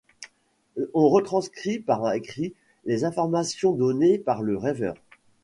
On retranscrit par écrit les informations données par le rêveur.